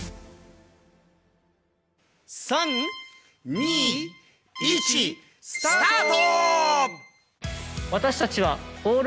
２１スタート！